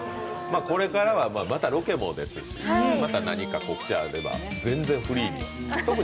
これからはまたロケも、何かこっちあれば、全然フリーに。